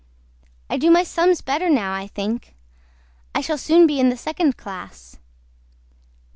I DO MY SUMS BETTER NOW I THINK I SHALL SOON BE IN THE SECOND CLASS.